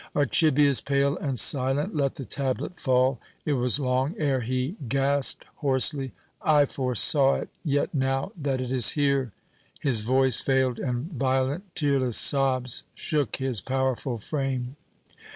Archibius, pale and silent, let the tablet fall. It was long ere he gasped hoarsely: "I foresaw it; yet now that it is here " His voice failed, and violent, tearless sobs shook his powerful frame.